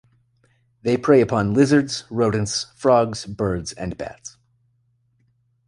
They prey upon lizards, rodents, frogs, birds, and bats.